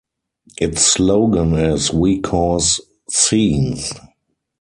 Its slogan is "We Cause Scenes".